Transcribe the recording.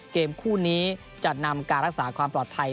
เกมคู่นี้จะนำการรักษาความปลอดภัย